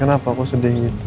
kenapa kok sedih gitu